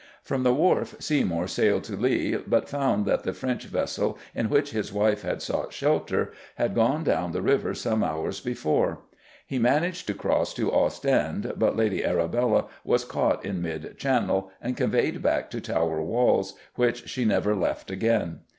From the wharf, Seymour sailed to Leigh, but found that the French vessel in which his wife had sought shelter had gone down the river some hours before. He managed to cross to Ostend, but Lady Arabella was caught in mid channel and conveyed back to Tower walls, which she never left again.